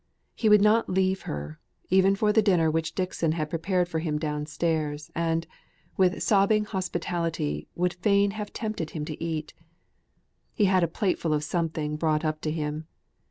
He would not leave her, even for the dinner which Dixon had prepared for him downstairs, and, with sobbing hospitality, would fain have tempted him to eat. He had a plateful of something brought up to him.